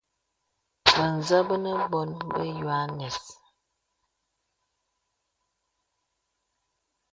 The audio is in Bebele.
Bə̀ zə bə nə bə̀bònè bə yoanɛ̀s.